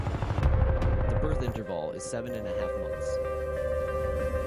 The birth interval is seven and a half months.